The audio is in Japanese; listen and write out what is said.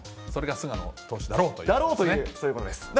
それが菅野投手だろうというだろうという、そういうことです。